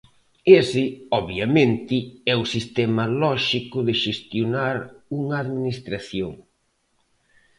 Ese, obviamente, é o sistema lóxico de xestionar unha administración.